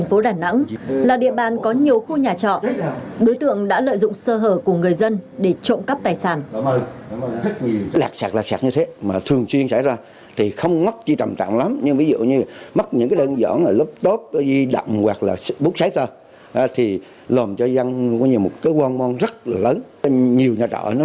phường hòa khánh bắc quận liên triều thành phố đà nẵng là địa bàn có nhiều khu nhà trọ